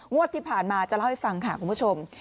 ที่ผ่านมาจะเล่าให้ฟังค่ะคุณผู้ชม